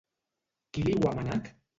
Qui li ho ha manat?